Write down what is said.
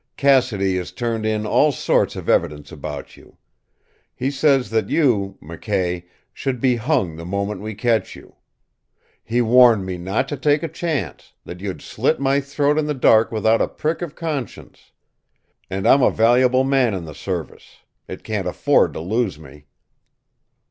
Cassidy has turned in all sorts of evidence about you. He says that you, McKay, should be hung the moment we catch you. He warned me not to take a chance that you'd slit my throat in the dark without a prick of conscience. And I'm a valuable man in the Service. It can't afford to lose me."